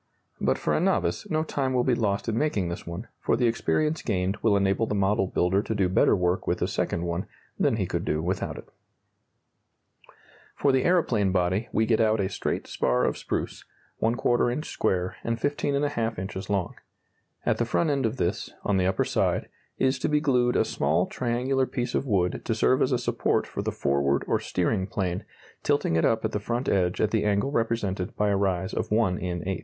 But for a novice, no time will be lost in making this one, for the experience gained will enable the model builder to do better work with the second one than he could do without it. For the aeroplane body we get out a straight spar of spruce, ¼ inch square and 15½ inches long. At the front end of this on the upper side is to be glued a small triangular piece of wood to serve as a support for the forward or steering plane, tilting it up at the front edge at the angle represented by a rise of 1 in 8.